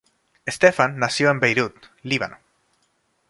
Stephan nació en Beirut, Líbano.